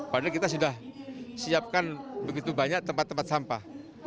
padahal kita sudah siapkan begitu banyak tempat tempat sampah